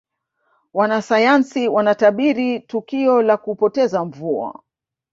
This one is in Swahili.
wanasayansi wanatabiri tukio la kupoteza mvua